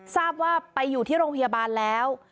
ทราบว่าไปอยู่ที่โรงพยาบาลแล้ว